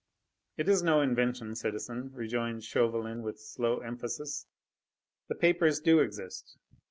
"It is no invention, citizen," rejoined Chauvelin with slow emphasis. "The papers do exist.